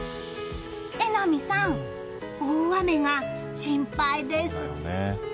榎並さん、大雨が心配です。